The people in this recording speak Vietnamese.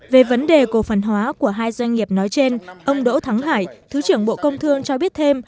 về vấn đề cổ phần hóa của hai doanh nghiệp nói trên ông đỗ thắng hải thứ trưởng bộ công thương cho biết thêm